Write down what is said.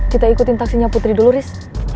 kita ikutin taksinya putri dulu riz